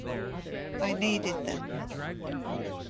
I needed them.